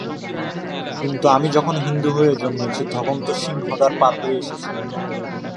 কিন্তু আমি যখন হিন্দু হয়ে জন্মেছি, তখন তো সিংহদ্বার পার হয়ে এসেছি।